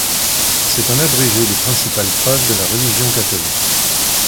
C'est un abrégé des principales preuves de la religion catholique.